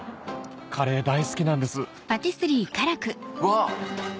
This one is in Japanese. カレー大好きなんですうわ！